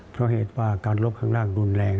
เพราะเหตุว่าการลบข้างล่างรุนแรง